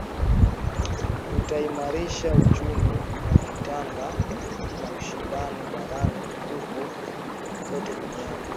Kutaimarisha uchumi wa kikanda na ushindani barani huko na kote duniani.